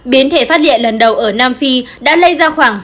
biến thể phát liện lần đầu ở nam phi đã lây ra khoa học omicron